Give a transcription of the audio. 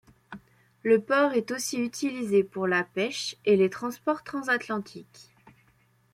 Le port est aussi utilisé pour la pêche et les transports transatlantiques.